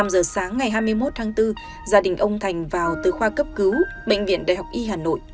năm giờ sáng ngày hai mươi một tháng bốn gia đình ông thành vào từ khoa cấp cứu bệnh viện đại học y hà nội